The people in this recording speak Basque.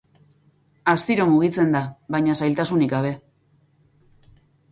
Astiro mugitze da, baina zailtasunik gabe.